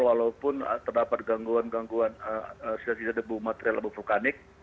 walaupun terdapat gangguan gangguan sisa sisa debu material abu vulkanik